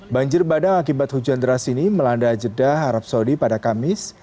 banjir bandang akibat hujan deras ini melanda jeddah arab saudi pada kamis